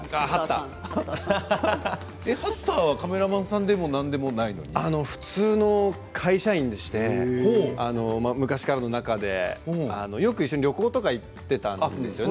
ハッターはカメラマンさんでも普通の会社員でして昔からの仲でよく一緒に旅行とか行っていたんですよね